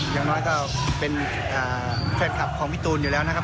อย่างน้อยก็เป็นแฟนคลับของพี่ตูนอยู่แล้วนะครับ